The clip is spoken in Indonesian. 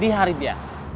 di hari biasa